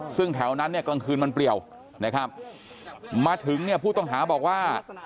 ซึ่งแถวนั้นเนี่ยกลางคืนมันเปรียวนะครับมาถึงเนี่ยผู้ต้องหาบอกว่า